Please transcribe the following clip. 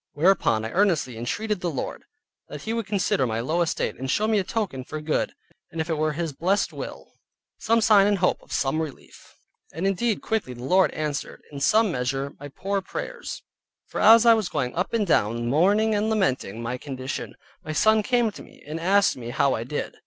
Whereupon I earnestly entreated the Lord, that He would consider my low estate, and show me a token for good, and if it were His blessed will, some sign and hope of some relief. And indeed quickly the Lord answered, in some measure, my poor prayers; for as I was going up and down mourning and lamenting my condition, my son came to me, and asked me how I did.